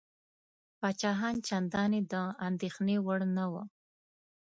پاچاهان چنداني د اندېښنې وړ نه وه.